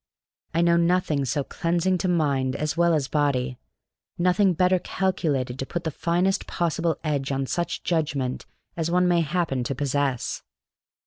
I know nothing so cleansing to mind as well as body, nothing better calculated to put the finest possible edge on such judgment as one may happen to possess.